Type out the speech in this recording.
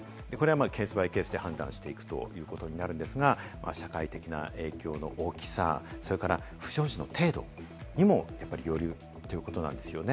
ケース・バイ・ケースで判断していくということになるんですが、社会的な影響の大きさ、それから不祥事の程度にもよるということなんですよね。